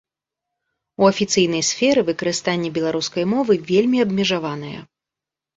У афіцыйнай сферы выкарыстанне беларускай мовы вельмі абмежаванае.